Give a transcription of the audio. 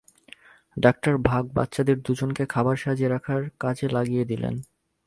ডাঃ ভাক বাচ্চাদের দুজনকে খাবার সাজিয়ে রাখার কাজে লাগিয়ে দিলেন।